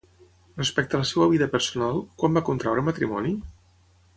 Respecte a la seva vida personal, quan va contreure matrimoni?